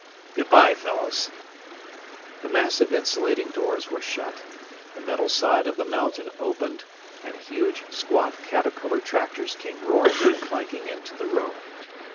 "Good bye, fellows!" The massive insulating doors were shut, the metal side of the mountain opened, and huge, squat caterpillar tractors came roaring and clanking into the room.